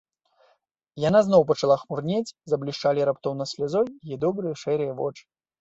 Яна зноў пачала хмурнець, заблішчалі раптоўнай слязой яе добрыя шэрыя вочы.